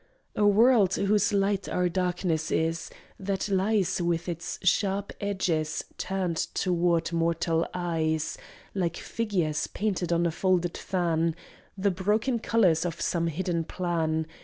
A world whose light our darkness is; that lies With its sharp edges turned toward mortal eyes, Like figures painted on a folded fan The broken colors of some hidden plan.